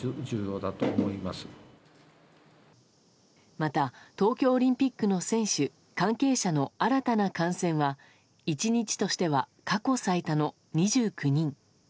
また、東京オリンピックの選手関係者の新たな感染は１日としては過去最多の２９人。